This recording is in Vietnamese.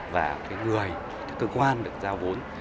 và cái người cái cơ quan được giao vốn